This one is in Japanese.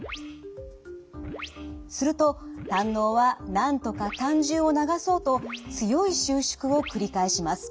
すると胆のうはなんとか胆汁を流そうと強い収縮を繰り返します。